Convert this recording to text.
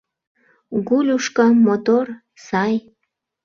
Гулюшка, мотор, сай.